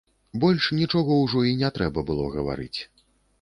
Больш нічога ўжо і не трэба было гаварыць.